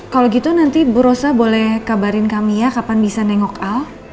kalau gitu nanti bu rosa boleh kabarin kami ya kapan bisa nengok al